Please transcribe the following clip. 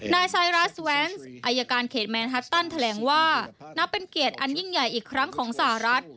นายไซรัสแวนซ์อายการเขตแมนฮัตตันแถลงว่านับเป็นเกียรติอันยิ่งใหญ่อีกครั้งของสหรัฐ